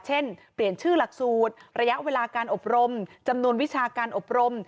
เช่นเปลี่ยนชื่อหลักสูตรระยะเวลาการอบรมจำนวนวิชาการอบรม